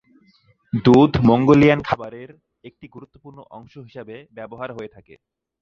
দুধ মঙ্গোলিয়ান খাবারের একটি গুরুত্বপূর্ণ অংশ হিসেবে ব্যবহার হয়ে থাকে।